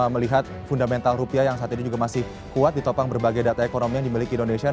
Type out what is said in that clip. melihat fundamental rupiah yang saat ini juga masih kuat ditopang berbagai data ekonomi yang dimiliki indonesia